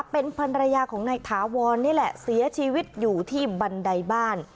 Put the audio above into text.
เป็นภรรยาของนายถาวรนี่แหละเสียชีวิตอยู่ที่บันไดบ้าน